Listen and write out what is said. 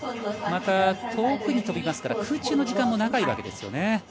また、遠くに飛びますから空中の時間も長いわけですよね。